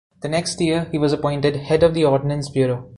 The next year, he was appointed Head of the Ordnance Bureau.